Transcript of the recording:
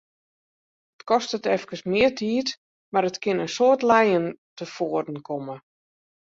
It kostet efkes mear tiid, mar it kin in soad lijen tefoaren komme.